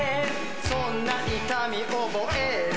そんな痛み覚える